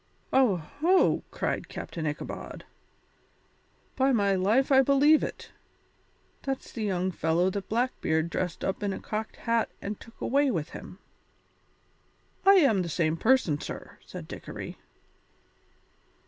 "Oho!" cried Captain Ichabod, "by my life I believe it. That's the young fellow that Blackbeard dressed up in a cocked hat and took away with him." "I am the same person, sir," said Dickory.